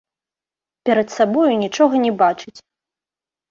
Перад сабою нічога не бачыць.